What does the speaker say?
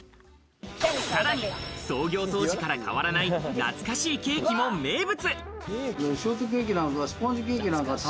さらに創業当時から変わらない懐かしいケーキも名物。